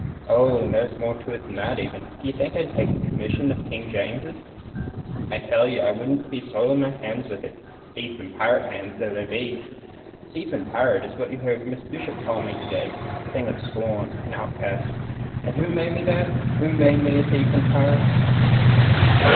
Oh, and there's more to it than that, even. D'ye think I could take a commission of King James's? I tell you I wouldn't be soiling my hands with it thief and pirate's hands though they be. Thief and pirate is what you heard Miss Bishop call me to day a thing of scorn, an outcast. And who made me that? Who made me thief and pirate?"